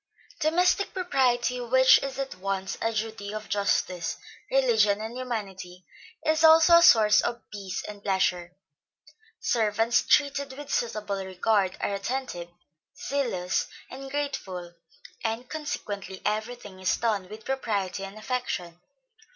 Domestic propriety, which is at once a duty of justice, religion and humanity, is also a source of peace and pleasure. Servants treated with suitable regard, are attentive, zealous and grateful, and consequently every thing is done with propriety and affection.